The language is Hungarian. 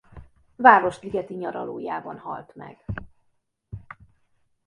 Városligeti nyaralójában halt meg.